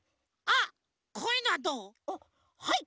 あっはい